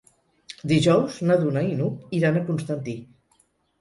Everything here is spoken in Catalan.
Dijous na Duna i n'Hug iran a Constantí.